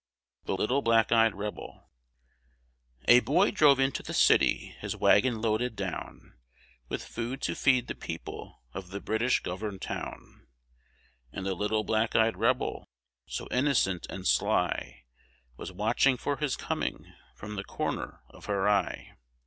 THE LITTLE BLACK EYED REBEL A boy drove into the city, his wagon loaded down With food to feed the people of the British governed town; And the little black eyed rebel, so innocent and sly, Was watching for his coming from the corner of her eye.